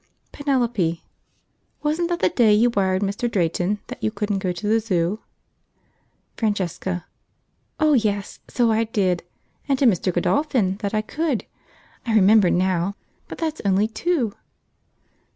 Penelope. "Wasn't that the day you wired Mr. Drayton that you couldn't go to the Zoo?" Francesca. "Oh yes, so I did: and to Mr. Godolphin that I could. I remember now; but that's only two."